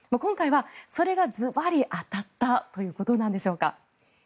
今回はそれがずばり当たったということなんでしょうか。